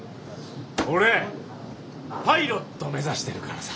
俺パイロット目指してるからさ！